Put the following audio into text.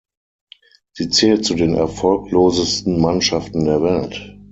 Sie zählt zu den erfolglosesten Mannschaften der Welt.